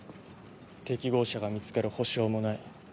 適合者が見つかる保証もない。